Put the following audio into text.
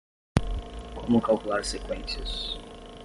Como calcular seqüências?